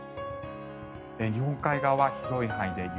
日本海側は広い範囲で雪。